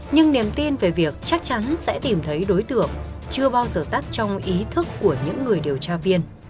nhưng niềm tin về việc chắc chắn sẽ tìm thấy đối tượng chưa bao giờ tắt trong ý thức của những người điều tra viên